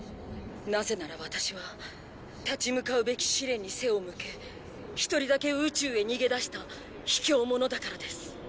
「なぜならワタシは立ち向かうべき試練に背を向け一人だけ宇宙へ逃げ出した卑怯者だからです」